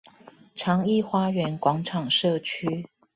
長億花園廣場社區